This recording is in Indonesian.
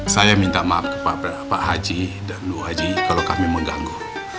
saya minta maaf ke pak aji dan ibu aji kalo kami mengganggu